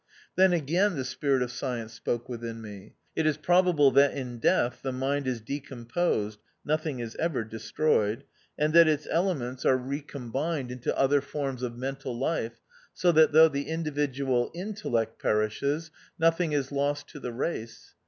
Then again the spirit of science spoke within me. "It is probable that in death the mind is decomposed (nothing is ever destroyed), and that its elements are recom 246 THE OUTCAST. bined into other forms of mental life, so that though the individual intellect perishes, nothing is lost to the race.